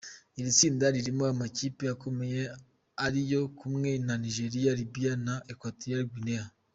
Iri tsinda ririmo amakipe akomeye ariyo kumwe na Nigeria, Libya na Equatorial Guinea.